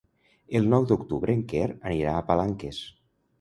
El nou d'octubre en Quer anirà a Palanques.